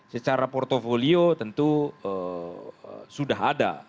secara portfolio tentu sudah ada